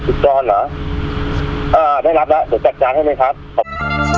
สุดยอดเหรออ่าได้รับแล้วเดี๋ยวจัดจานให้หน่อยครับ